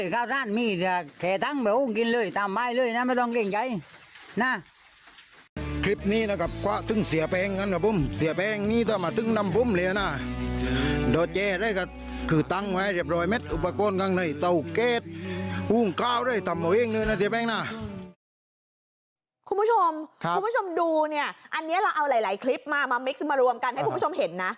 คุณผู้ชมคุณผู้ชมดูเนี่ยอันนี้เราเอาหลายคลิปมามามิกซ์มารวมกันให้คุณผู้ชมเห็นนะ